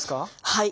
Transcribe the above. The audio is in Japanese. はい。